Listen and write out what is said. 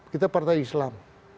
kita partai islam